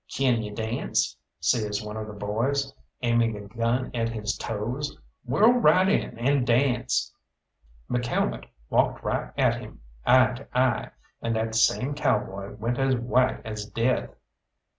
"Kin you dance?" says one of the boys, aiming a gun at his toes. "Whirl right in and dance!" McCalmont walked right at him, eye to eye, and that same cowboy went as white as death.